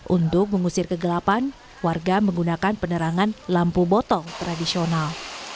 untuk mengusir kegelapan warga menggunakan penerangan lampu botol tradisional